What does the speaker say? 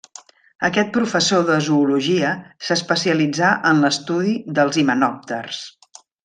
Aquest professor de zoologia s'especialitzà en l'estudi dels himenòpters.